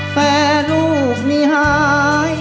แฟลลูกนี้หาย